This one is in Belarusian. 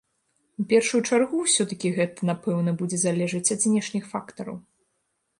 У першую чаргу ўсё-такі гэта, напэўна, будзе залежыць ад знешніх фактараў.